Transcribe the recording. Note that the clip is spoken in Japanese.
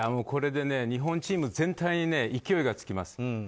これで日本チーム全体に勢いがつきます。